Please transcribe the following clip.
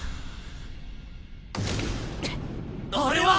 あれは！